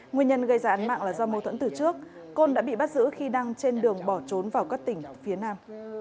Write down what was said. nguyên nhân gây ra án mạng là do mâu thuẫn từ trước côn đã bị bắt giữ khi đang trên đường bỏ trốn vào các tỉnh phía nam